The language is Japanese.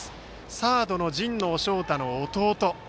サードの神農翔多の弟。